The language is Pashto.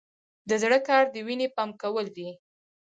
د زړه کار د وینې پمپ کول دي